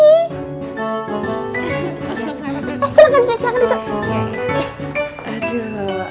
eh silahkan duduk silahkan duduk